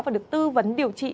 và được tư vấn điều trị